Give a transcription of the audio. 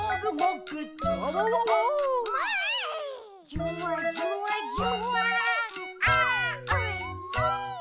「じゅわじゅわじゅわーんあーおいしい！」